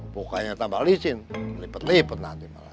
pokoknya tambah lisin lipet lipet nanti malah